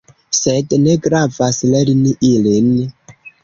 Sed ne gravas lerni ilin.